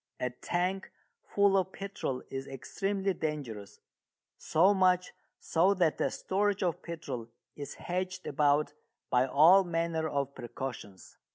A tank full of petrol is extremely dangerous, so much so that the storage of petrol is hedged about by all manner of precautions.